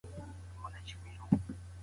د هوا رطوبت هم د زعفرانو لپاره برابر دی.